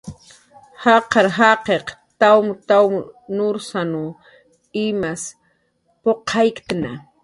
Jaqar jaqiq tawmanw nursanw imas puqayktna